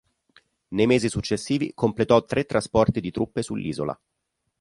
Nei mesi successivi completò tre trasporti di truppe sull'isola.